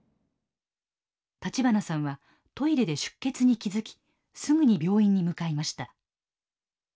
立花さんはトイレで出血に気づきすぐに病院に向かいました。